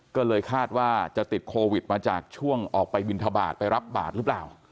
ก็เลยคาดว่าจะติดโควิดมาจากช่วงออกไปบินทบาทไปรับบาทหรือเปล่า